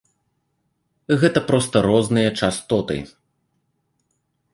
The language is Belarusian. Гэта проста розныя частоты.